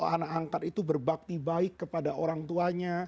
anak angkat itu berbakti baik kepada orang tuanya